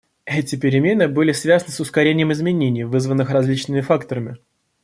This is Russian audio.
Эти перемены были связаны с ускорением изменений, вызванных различными факторами.